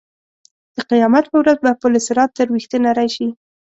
د قیامت په ورځ به پل صراط تر وېښته نرۍ شي.